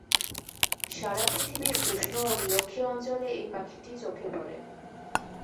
সারা পৃথিবীর উষ্ণ ও নিরক্ষীয় অঞ্চলে এই পাখিটি চোখে পড়ে।